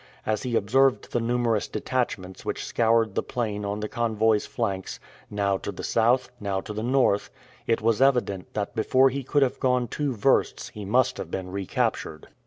As he observed the numerous detachments which scoured the plain on the convoy's flanks, now to the south, now to the north, it was evident that before he could have gone two versts he must have been recaptured.